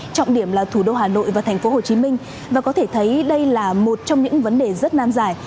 trọng điểm là thủ đô hà nội và thành phố hồ chí minh và có thể thấy đây là một trong những vấn đề rất nam giải